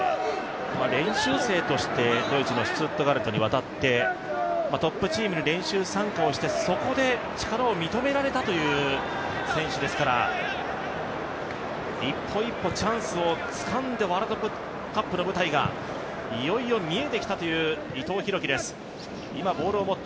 練習生としてドイツのシュツットガルトに向かってトップチームに練習参加してそこで力を認められたという選手ですから一歩一歩チャンスをつかんでワールドカップの舞台がいよいよ見えてきたという伊藤洋輝です。